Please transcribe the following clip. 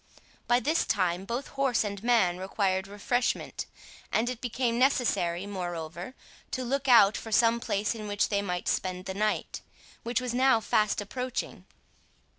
By this time both horse and man required refreshment, and it became necessary, moreover, to look out for some place in which they might spend the night, which was now fast approaching.